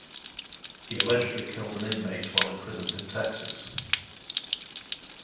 He allegedly killed an inmate while imprisoned in Texas.